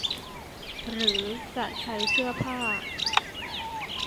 หรือจะใช้เสื้อผ้า